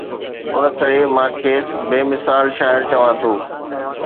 ان ڪري مان کيس بي مثال شاعر چوان ٿو.